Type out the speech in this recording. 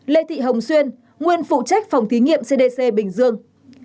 ba lê thị hồng xuyên nguyên phụ trách phòng thí nghiệm cdc bình dương